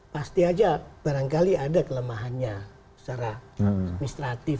pasti aja barangkali ada kelemahannya secara administratif